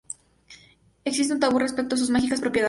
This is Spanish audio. Existe un tabú respecto a sus mágicas propiedades.